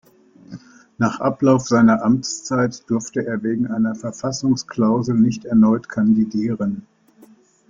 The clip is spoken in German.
Nach Ablauf seiner Amtszeit durfte er wegen einer Verfassungsklausel nicht erneut kandidieren.